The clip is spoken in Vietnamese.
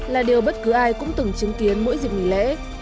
là điều bất cứ ai cũng từng chứng kiến mỗi dịp nghỉ lễ